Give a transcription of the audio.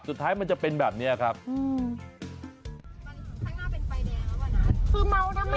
สุดท้ายมันจะเป็นแบบนี้ครับ